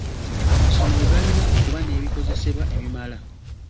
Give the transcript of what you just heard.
Amasomero galina okuba n'ebikozesebwa ebimala.